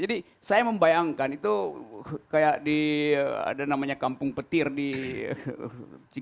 jadi saya membayangkan itu kayak di ada namanya kampung petir di